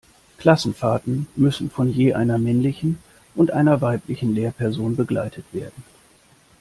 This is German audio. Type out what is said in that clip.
Klassenfahrten müssen von je einer männlichen und einer weiblichen Lehrperson begleitet werden.